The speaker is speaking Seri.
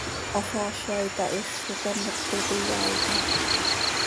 Haxaaza itahíx, icamotet iyaaitim.